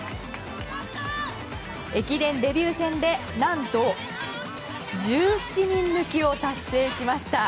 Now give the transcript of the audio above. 駅伝デビュー戦で何と１７人抜きを達成しました。